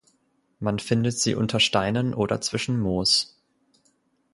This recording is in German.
Man findet sie unter Steinen oder zwischen Moos.